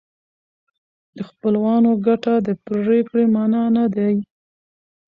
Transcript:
د خپلوانو ګټه د پرېکړې معیار نه دی.